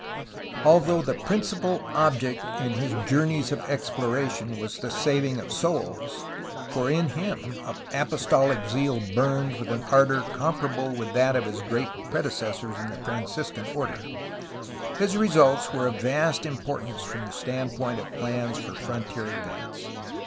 Although the principal object in his journeys of exploration was the saving of souls, for in him apostolic zeal burned with an ardor com parable with that of his great predecessors in the Franciscan order, his results were of vast importance from the stand point of plans for frontier advance.